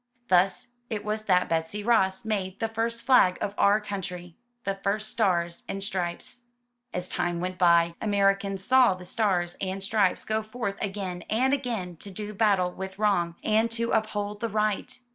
Thus it was that Betsy Ross made the first flag of our country — the first Stars and Stripes. As time went by, Americans saw the Stars and Stripes go forth again and again to do battle with wrong, and to uphold the right.